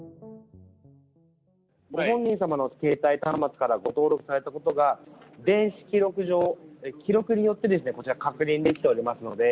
ご本人様の携帯端末からのご登録されたことが電子記録上、記録によってですね、こちら確認できておりますので。